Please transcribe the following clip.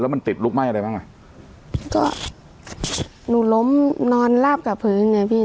มันติดลุกไหม้อะไรบ้างอ่ะก็หนูล้มนอนลาบกับพื้นไงพี่